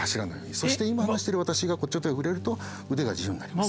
そして今話してる私がこっちの手で触れると腕が自由になります。